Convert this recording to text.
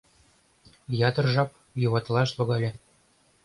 Ятыр жап юватылаш логале.